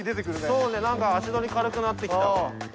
そうねなんか足取り軽くなってきた。